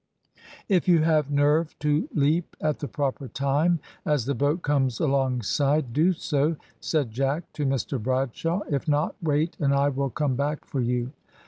"If you have nerve to leap at the proper time as the boat comes alongside, do so," said Jack to Mr Bradshaw. "If not, wait and I will come back for you."